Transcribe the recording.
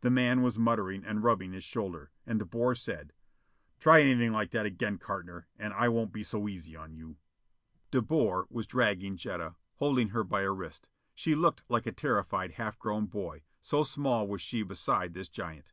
The man was muttering and rubbing his shoulder, and De Boer said: "Try anything like that again, Cartner, and I won't be so easy on you." De Boer was dragging Jetta, holding her by a wrist. She looked like a terrified, half grown boy, so small was she beside this giant.